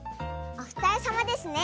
おふたりさまですね。